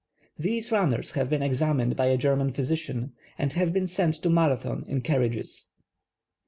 These runners have been examined by a Ger man physician and have been sent to Marathon in carriages.